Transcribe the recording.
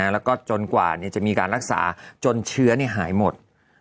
แล้วก็จนกว่าจะมีการรักษาจนเชื้อหายหมด